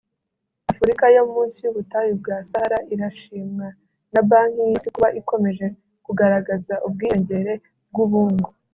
Afurika yo munsi y’ubutayu bwa Sahara irashimwa na banki y’isi kuba ikomeje kugaragaza ubwiyongere bw’ubungu